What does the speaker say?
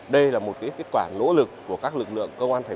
đây là một kết quả nỗ lực của các lực lượng